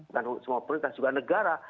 dan semua perintah juga negara